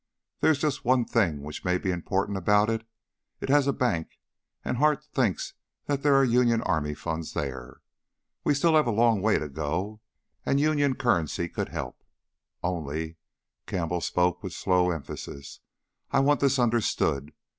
There's just one thing which may be important about it; it has a bank and Hart thinks that there are Union Army funds there. We still have a long way to go, and Union currency could help. Only," Campbell spoke with slow emphasis, "I want this understood.